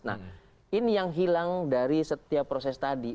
nah ini yang hilang dari setiap proses tadi